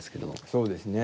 そうですね。